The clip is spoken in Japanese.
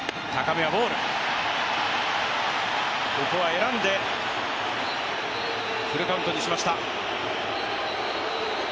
ここは選んでフルカウントにしました。